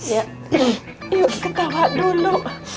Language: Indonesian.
yuk ikut ketawa dulu